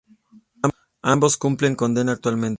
Ambos cumplen condena actualmente.